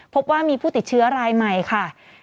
พบว่ามีผู้ติดเชื้อรายใหม่ค่ะ